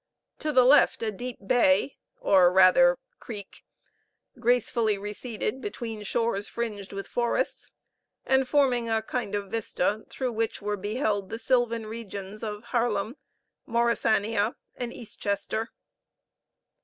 To the left a deep bay, or rather creek, gracefully receded between shores fringed with forests, and forming a kind of vista through which were beheld the sylvan regions of Haerlem, Morrissania, and East Chester.